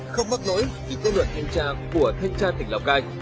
không mắc lỗi vì kết luận hình trạng của thanh tra tỉnh lào cai